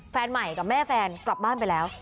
แฟนใหม่กับแม่แฟนกลับบ้านไปแล้ว